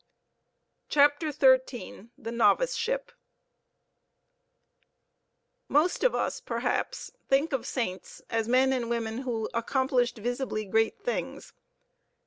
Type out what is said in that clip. CHAPTER XIII THE NOVICESHIP Most of us, perhaps, think of the saints as men and women who accomplished visibly great things.